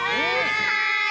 はい！